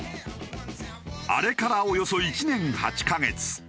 あれからおよそ１年８カ月。